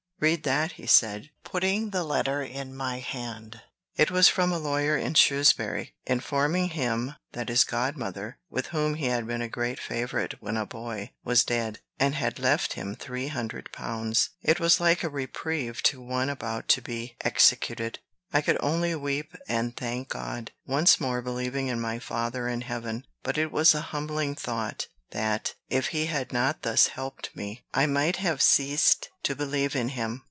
"Read that," he said, putting the letter into my hand. It was from a lawyer in Shrewsbury, informing him that his god mother, with whom he had been a great favorite when a boy, was dead, and had left him three hundred pounds. It was like a reprieve to one about to be executed. I could only weep and thank God, once more believing in my Father in heaven. But it was a humbling thought, that, if he had not thus helped me, I might have ceased to believe in him.